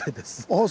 ああ